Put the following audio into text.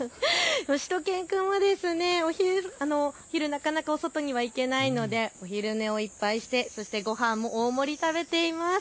しゅと犬くんは昼なかなかお外に行けないのでお昼寝をいっぱいしてそしてごはんも大盛り食べています。